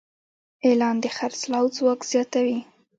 اعلان د خرڅلاو ځواک زیاتوي.